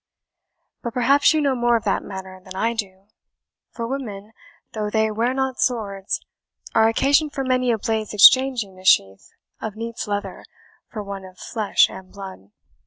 But perhaps you know more of that matter than I do; for women, though they wear not swords, are occasion for many a blade's exchanging a sheath of neat's leather for one of flesh and blood."